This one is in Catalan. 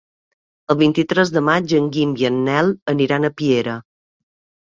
El vint-i-tres de maig en Guim i en Nel aniran a Piera.